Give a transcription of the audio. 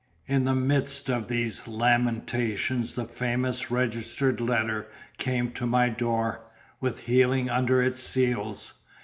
In the midst of these lamentations the famous registered letter came to my door, with healing under its seals.